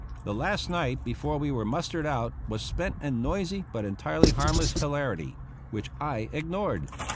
The last night before we were mustered out was spent in noisy, but entirely harmless hilarity, which I ignored.